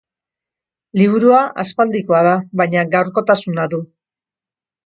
Liburua aspaldikoa da, baina gaurkotasuna du.